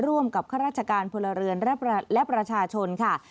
ร่วมกับข้าราชการพลเรือนและประชาชนค่ะ